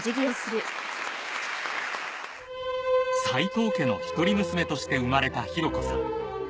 斉藤家の一人娘として生まれた紘子さん